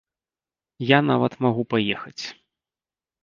Я нават магу паехаць.